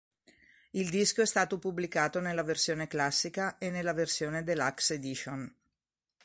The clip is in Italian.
Il disco è stato pubblicato nella versione classica e nella versione Deluxe Edition.